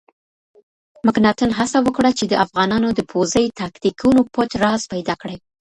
مکناتن هڅه وکړه چې د افغانانو د پوځي تاکتیکونو پټ راز پیدا کړي.